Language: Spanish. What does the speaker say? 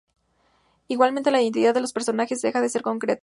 Igualmente la identidad de los personajes deja de ser concreta.